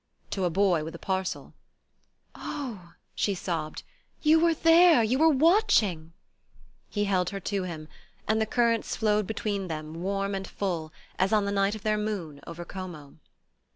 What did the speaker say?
"To a boy with a parcel." "Oh," she sobbed, "you were there? You were watching?" He held her to him, and the currents flowed between them warm and full as on the night of their moon over Como.